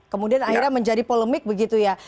kemudian akhirnya menjadi polemik begitu ya